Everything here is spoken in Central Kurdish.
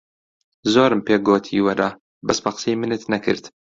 زۆرم پێ گۆتی وەرە، بەس بە قسەی منت نەکرد.